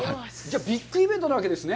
ビッグイベントなわけですね。